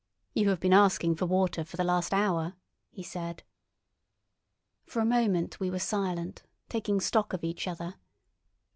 "You have been asking for water for the last hour," he said. For a moment we were silent, taking stock of each other.